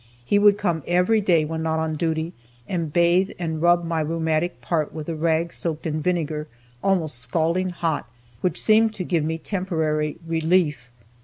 He would come every day, when not on duty, and bathe and rub my rheumatic part with a rag soaked in vinegar, almost scalding hot, which seemed to give me temporary relief.